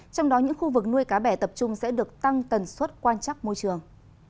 trong đó những khu vực nuôi cá bè tập trung sẽ được tăng tần suất quan trắc môi trường